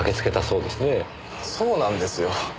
そうなんですよ。